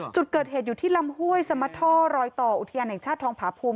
จุดเกิดเหตุอยู่ที่ลำห้วยสมท่อรอยต่ออุทยานแห่งชาติทองผาภูมิ